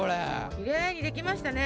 きれいにできましたね。